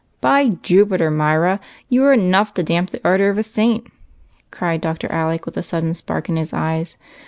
"By Jupiter, Myra, you are enough to damp the ardor of a saint !" cried Dr. Alec, with a sudden spark in his eyes.